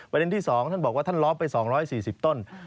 ที่๒ท่านบอกว่าท่านล้อมไป๒๔๐ต้น